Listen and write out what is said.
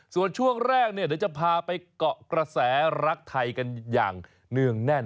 ส่วนช่วงแรกเนี่ยเดี๋ยวจะพาไปเกาะกระแสรักไทยกันอย่างเนื่องแน่น